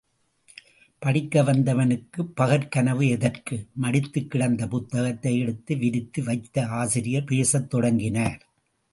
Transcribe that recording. படிக்க வந்தவனுக்கு பகற் கனவு எதற்கு? மடித்துக் கிடந்த புத்தகத்தை எடுத்து விரித்து வைத்து ஆசிரியர் பேசத் தொடங்கினார்.